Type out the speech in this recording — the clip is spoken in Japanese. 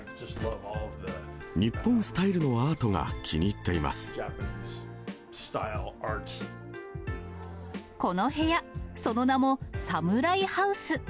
日本スタイルのアートが気にこの部屋、その名も、サムライハウス。